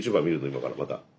今からまた。